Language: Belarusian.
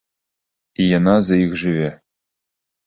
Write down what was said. І яна за іх жыве!